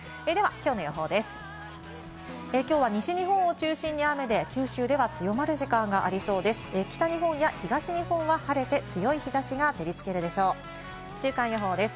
きょうは西日本を中心に雨で、九州では強まる時間がありそうです。